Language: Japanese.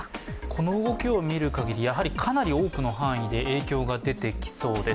この動きを見る限りかなり多くの範囲で影響が出てきそうです。